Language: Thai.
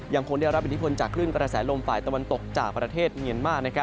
ยังคงได้รับอิทธิพลจากคลื่นกระแสลมฝ่ายตะวันตกจากประเทศเมียนมาร์